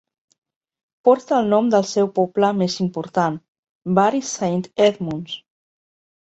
Porta el nom del seu poble més important, Bury Saint Edmunds.